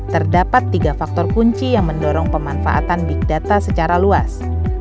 terdapat tiga faktor kunci yang mendorong pemanfaatan big data secara luas